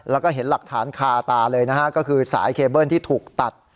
แล้วก็เห็นหลักฐานคาตาเลยนะฮะก็คือสายเคเบิ้ลที่ถูกตัด